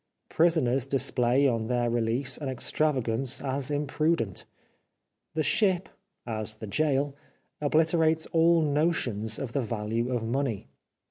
Prisoners display on their release an extravagance as imprudent. The ship, as the gaol, obliterates all notions of the value of money.